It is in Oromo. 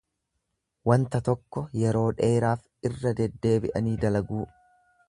Wanta tokko yeroo dheeraaf irra deddeebi'anii dalaguu.